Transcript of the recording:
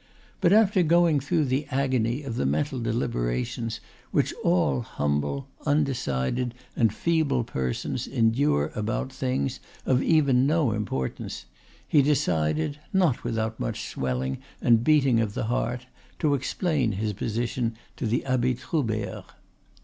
But after going through the agony of the mental deliberations which all humble, undecided, and feeble persons endure about things of even no importance, he decided, not without much swelling and beating of the heart, to explain his position to the Abbe Troubert.